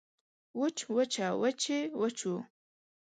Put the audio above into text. وچ وچه وچې وچو